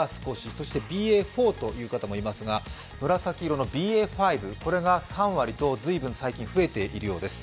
そしてＢＡ．４という方もいますが紫色のＢＡ．５、これが３割と随分、最近増えているようです。